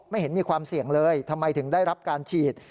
เห็นมีความเสี่ยงเลยทำไมถึงได้รับการฉีด